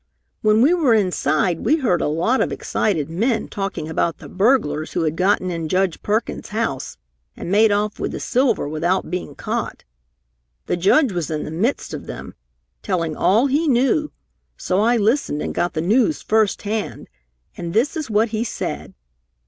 When we were inside we heard a lot of excited men talking about the burglars who had gotten in Judge Perkins' house and made off with the silver without being caught. The Judge was in the midst of them, telling all he knew, so I listened and got the news first hand. And this is what he said.